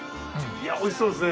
おいしそうですね。